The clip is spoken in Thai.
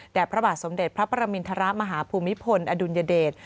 พระบาทสมเด็จพระประมินทรมาฮภูมิพลอดุลยเดช